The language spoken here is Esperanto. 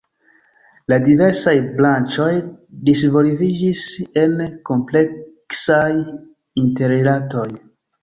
La diversaj branĉoj disvolviĝis en kompleksaj interrilatoj.